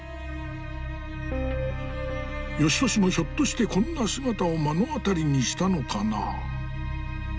芳年もひょっとしてこんな姿を目の当たりにしたのかな。